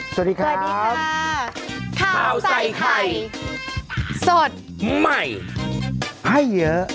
สวัสดีครับสวัสดีค่ะข้าวใส่ไข่สดใหม่ให้เยอะ